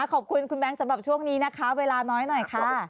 ขอบคุณคุณแบงค์สำหรับช่วงนี้นะคะเวลาน้อยหน่อยค่ะ